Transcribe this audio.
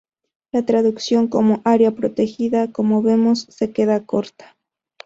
La traducción como "área protegida", como vemos, se queda corta.